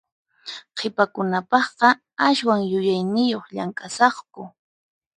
Qhipakunapaqqa aswan yuyayniyuq llamk'asaqku.